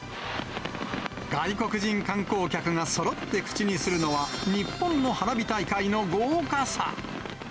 外国人観光客がそろって口にするのは、日本の花火大会の豪華さ。